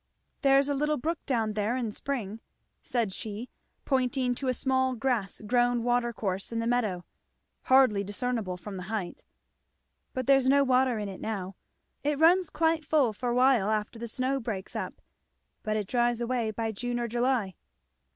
"There's a little brook down there in spring," said she pointing to a small grass grown water course in the meadow, hardly discernible from the height, "but there's no water in it now. It runs quite full for a while after the snow breaks up; but it dries away by June or July."